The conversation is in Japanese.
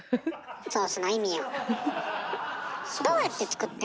ソースの意味を。